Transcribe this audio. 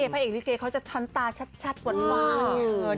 พระเอกนิเกย์เขาจะทันตาชัดวานวาน